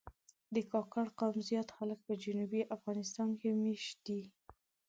د کاکړ قوم زیات خلک په جنوبي افغانستان کې مېشت دي.